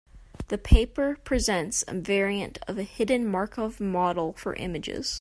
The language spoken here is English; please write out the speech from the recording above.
The paper presents a variant of a hidden Markov model for images.